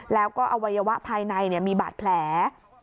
แล้วก็อวัยวะภายในมีบาดแผล